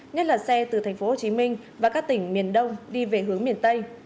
nhất là xe từ tp hcm và các tỉnh miền đông đi về hướng miền tây